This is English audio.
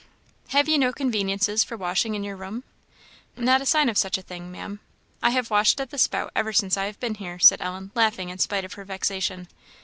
"Have you no conveniences for washing in your room?" "Not a sign of such a thing, Maam. I have washed at the spout ever since I have been here," said Ellen, laughing in spite of her vexation.